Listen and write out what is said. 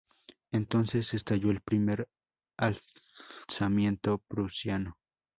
Entonces estalló el primer alzamiento prusiano.